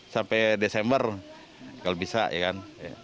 sampai desember kalau bisa ya kan